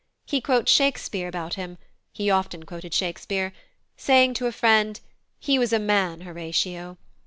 He quotes Shakespeare about him (he often quoted Shakespeare), saying to a friend, "He was a man, Horatio."